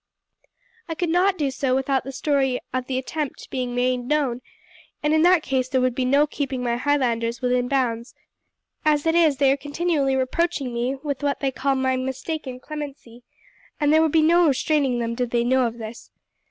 I could not do so without the story of the attempt being known, and in that case there would be no keeping my Highlanders within bounds. As it is they are continually reproaching me with what they call my mistaken clemency, and there would be no restraining them did they know of this.